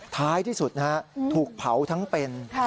ท้ายที่สุดนะฮะถูกเผาทั้งเป็น